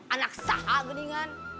anak sahak geningan